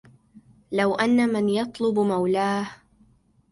لو أن من يطلب مولاه